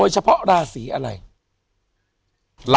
อยู่ที่แม่ศรีวิรัยิลครับ